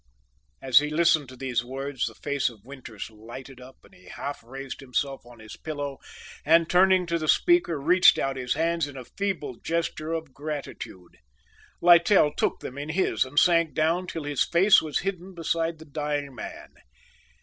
As he listened to these words the face of Winters lighted up and he half raised himself on his pillow and, turning to the speaker, reached out his hands in a feeble gesture of gratitude. Littell took them in his and sank down till his face was hidden beside the dying man.